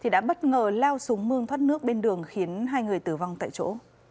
đã bất ngờ lao xuống mương thoát nước bên đường khiến hai người tử vong tại chỗ